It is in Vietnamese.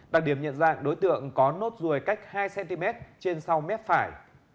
đặc điểm nhận ra đối tượng có nốt ruồi cách hai cm trên sau mép phải